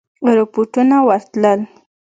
رپوټونه ورتلل.